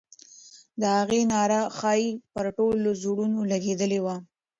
د هغې ناره ښایي پر ټولو زړونو لګېدلې وای.